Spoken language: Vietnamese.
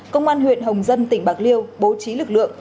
công an huyện hồng dân tỉnh bạc liêu bố trí lực lượng